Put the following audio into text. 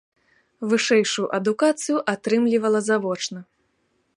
Вышэйшую адукацыю атрымлівала завочна.